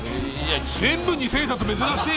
全部二千円札珍しい！